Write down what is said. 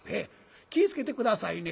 気ぃ付けて下さいね。